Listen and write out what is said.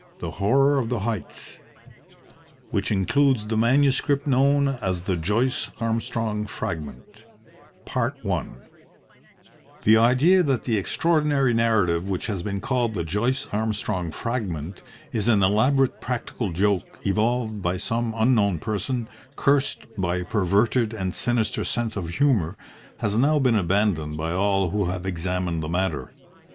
THE HORROR OF THE HEIGHTS (WHICH INCLUDES THE MANUSCRIPT KNOWN AS THE JOYCE ARMSTRONG FRAGMENT) The idea that the extraordinary narrative which has been called the Joyce Armstrong Fragment is an elaborate practical joke evolved by some unknown person, cursed by a perverted and sinister sense of humour, has now been abandoned by all who have examined the matter.